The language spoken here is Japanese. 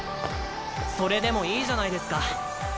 それでもいいじゃないですか。